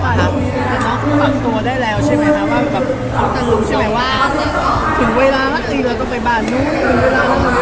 แต่น้องคือฝังตัวได้แล้วใช่ไหมนะว่าถึงเวลาแล้วก็ไปบ่านู้น